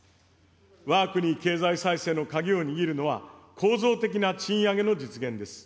わが国経済再生の鍵を握るのは、構造的な賃上げの実現です。